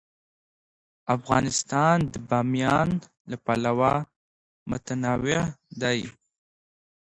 افغانستان د بامیان له پلوه متنوع دی.